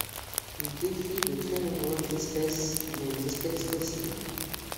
Il décrit de très nombreuses espèces dont des espèces fossiles.